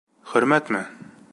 Хөрмәтме?